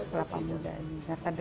kelapa muda aja